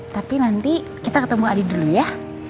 tapi nanti kita ketemu adi dulu ya